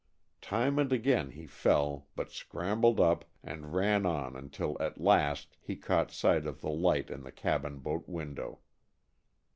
Time and again he fell but scrambled up and ran on until at last he caught sight of the light in the cabin boat window.